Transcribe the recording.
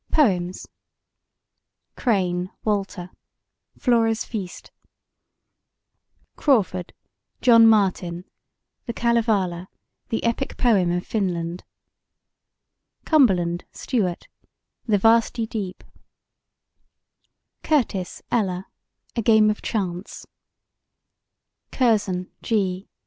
Poems CRANE, WALTER: Flora's Feast CRAWFORD, JOHN MARTIN: The Kalevala, the Epic Poem of Finland CUMBERLAND, STUART: The Vasty Deep CURTIS, ELLA: A Game of Chance CURZON, G.